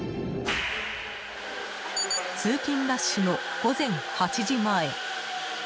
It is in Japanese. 通勤ラッシュの午前８時前。